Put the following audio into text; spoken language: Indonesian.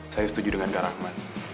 saya setuju dengan kak rahman